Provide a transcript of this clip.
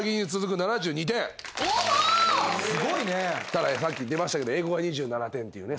たださっき言ってましたけど英語が２７点っていうね。